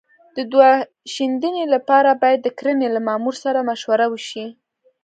د دوا شیندنې لپاره باید د کرنې له مامور سره مشوره وشي.